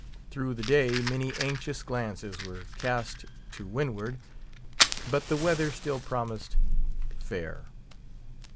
Through the day, many anxious glances were cast to windward; but the weather still promised fair.